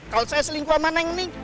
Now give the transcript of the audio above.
kalau saya selingkuh sama neng neng